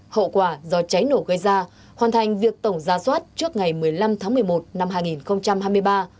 hậu quả do cháy nổ gây ra hoàn thành việc tổng ra soát trước ngày một mươi năm tháng một mươi một năm hai nghìn hai mươi ba